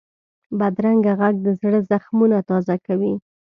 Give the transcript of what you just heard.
بدرنګه غږ د زړه زخمونه تازه کوي